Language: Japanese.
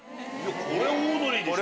これオードリーでしょ。